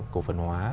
của cổ phần hóa